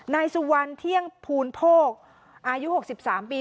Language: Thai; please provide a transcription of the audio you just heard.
นายสุวรรณเที่ยงภูลโภคอายุ๖๓ปี